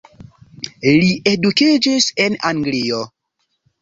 Li edukiĝis en Anglio.